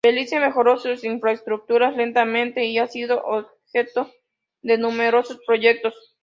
Belice mejoró sus infraestructuras lentamente y ha sido objeto de numerosos proyectos.